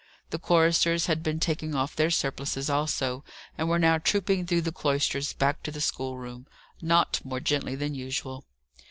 The choristers had been taking off their surplices also, and were now trooping through the cloisters back to the schoolroom, not more gently than usual.